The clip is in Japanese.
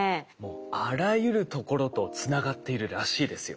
あらゆるところとつながっているらしいですよ。